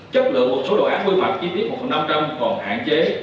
chất lượng một số đồ án quy hoạch chi tiết một năm trăm linh còn hạn chế